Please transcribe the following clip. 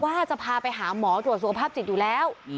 ว่าจะพาไปหาหมอตรวจสุขภาพจิตอยู่แล้ว